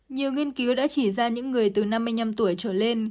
nhiều nghiên cứu đã chỉ ra những người từ năm mươi năm tuổi trở lên